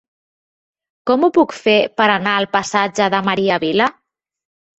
Com ho puc fer per anar al passatge de Maria Vila?